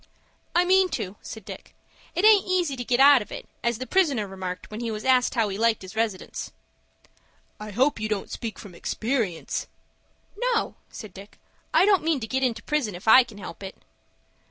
"I mean to," said Dick. "It aint easy to get out of it, as the prisoner remarked, when he was asked how he liked his residence." "I hope you don't speak from experience." "No," said Dick; "I don't mean to get into prison if I can help it."